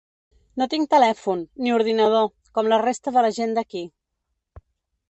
No tinc telèfon, ni ordinador, com la resta de la gent d’aquí.